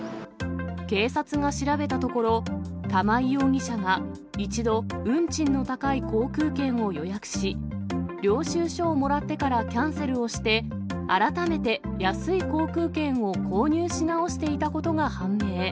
警察が調べたところ、玉井容疑者が一度、運賃の高い航空券を予約し、領収書をもらってからキャンセルをして、改めて安い航空券を購入し直していたことが判明。